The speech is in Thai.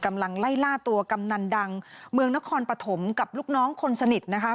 กำลังไล่ล่าตัวกำนันดังเมืองนครปฐมกับลูกน้องคนสนิทนะคะ